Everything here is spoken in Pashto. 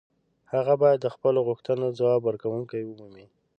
هغه باید د خپلو غوښتنو ځواب ورکوونکې ومومي.